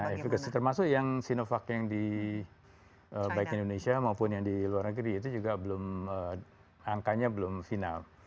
nah efekasi termasuk yang sinovac yang di baik indonesia maupun yang di luar negeri itu juga belum angkanya belum final